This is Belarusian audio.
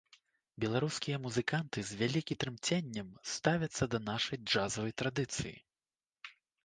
Беларускія музыканты з вялікі трымценнем ставяцца да нашай джазавай традыцыі.